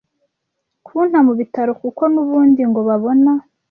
kunta mu bitaro kuko n’ubundi ngo babona